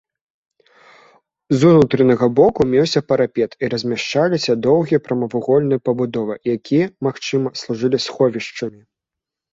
З унутранага боку меўся парапет і размяшчаліся доўгія прамавугольныя пабудовы, якія, магчыма, служылі сховішчамі.